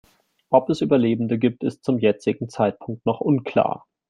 Ob es Überlebende gibt, ist zum jetzigen Zeitpunkt noch unklar.